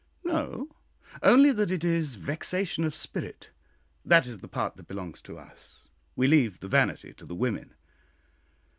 "No; only that it is 'vexation of spirit;' that is the part that belongs to us we leave the 'vanity' to the women."